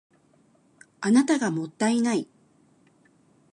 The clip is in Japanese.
あなたがもったいない